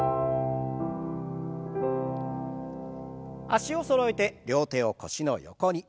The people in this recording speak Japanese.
脚をそろえて両手を腰の横に。